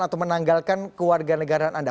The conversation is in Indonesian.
atau menanggalkan keluarga negara anda